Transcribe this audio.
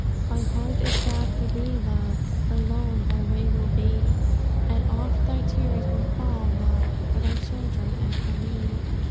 My heart is sad for thee, Love, For lone thy way will be; And oft thy tears will fall, Love, For thy children and for me.